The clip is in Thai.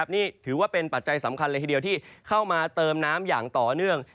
นี่ถือว่าเป็นปัจจัยสำคัญเลยทีเดียวที่เข้ามาเติมน้ำอย่างต่อเนื่อง